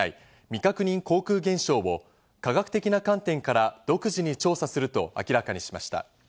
未確認航空現象を科学的な観点から独自に調査すると明らかにしました。